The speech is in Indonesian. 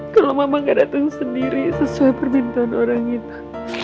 kalau mama gak datang sendiri sesuai permintaan orangnya